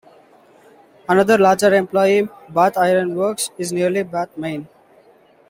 Another large employer is Bath Iron Works, in nearby Bath, Maine.